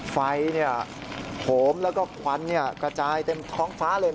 ไฟโหมแล้วก็ควันกระจายเต็มท้องฟ้าเลย